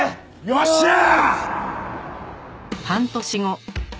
よっしゃー！